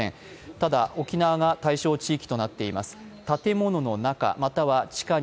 ただ、沖縄が対象地域となっています。